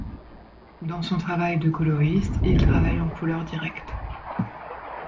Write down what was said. Dans son travail de coloriste, il travaille en couleur directe.